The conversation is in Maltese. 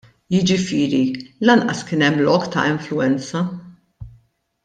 Jiġifieri lanqas kien hemm lok ta' influwenza.